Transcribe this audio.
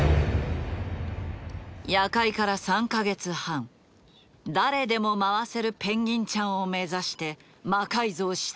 夜会から３か月半誰でも回せるペンギンちゃんを目指して魔改造し続けてきた。